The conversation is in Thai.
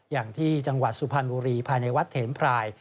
อย่างที่จังหวัดสุพรรณบุรีภายในวัดเถนพราย